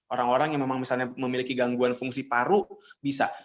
orang orang yang memang misalnya memiliki gangguan fungsi paru bisa